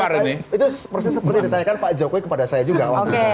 berkualitas itu persis seperti ditanyakan pak jokowi kepada saya juga